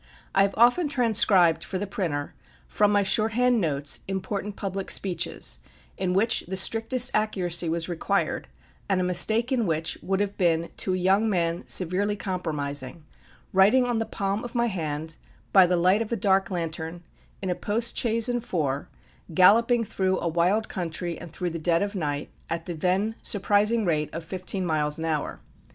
I have often transcribed for the printer, from my shorthand notes, important public speeches, in which the strictest accuracy was required, and a mistake in which would have been, to a young man, severely compromising, writing on the palm of my hand, by the light of a dark lantern, in a post chaise and four, galloping through a wild country, and through the dead of the night, at the then surprising rate of fifteen miles an hour.